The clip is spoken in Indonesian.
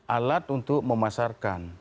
alat untuk memasarkan